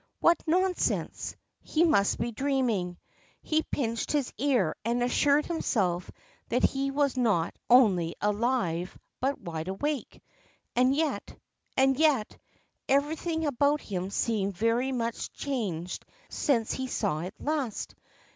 What nonsense ! He must be dreaming. He pinched his ear and assured himself that he was not only alive, but wide awake. And yet and yet everything about him seemed very much changed since he saw it last.